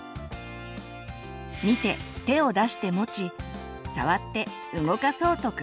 見て手を出して持ち触って動かそうと工夫する。